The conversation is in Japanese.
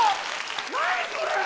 何⁉それ！